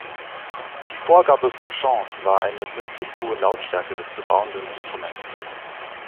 Die Vorgabe Beauchamps war eine möglichst hohe Lautstärke des zu bauenden Instruments.